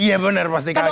iya bener pasti kaget